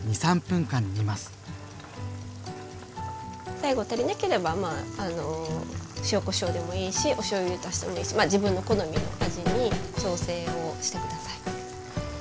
最後足りなければ塩・こしょうでもいいしおしょうゆを足してもいいし自分の好みの味に調整をして下さい。